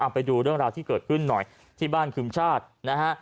ไปดูเรื่องราวที่เกิดขึ้นหน่อยที่บ้านคึมชาตินะฮะ